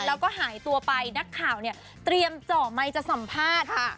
แล้วก็หายตัวไปนักข่าวเนี่ยเตรียมเจาะไมค์จะสัมภาษณ์